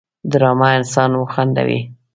ډرامه انسان وخندوي